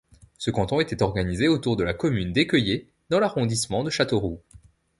Ce canton était organisé autour de la commune d'Écueillé, dans l'arrondissement de Châteauroux.